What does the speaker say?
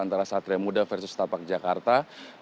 antara satria muda versus tapak jakarta